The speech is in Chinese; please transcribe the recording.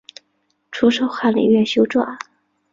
初授翰林院修撰。